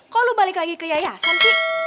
kok lo balik lagi ke yayasan sih